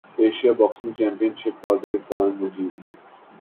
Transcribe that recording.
Asian boxing championship Kazakhstan نے جیت لی